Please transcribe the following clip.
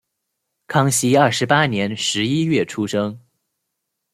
康熙二十八年十一月出生。